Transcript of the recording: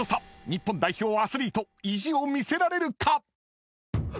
［日本代表アスリート意地を見せられるか⁉］